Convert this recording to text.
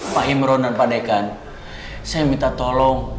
pak imron dan pak dekan saya minta tolong